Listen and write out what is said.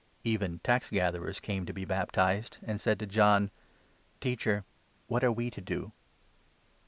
Even tax gatherers came to be baptized, and said to John : 12 " Teacher, what are we to do